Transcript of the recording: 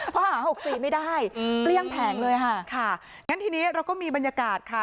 พอหาหกสี่ไม่ได้เกลี้ยงแผงเลยค่ะค่ะงั้นทีนี้เราก็มีบรรยากาศค่ะ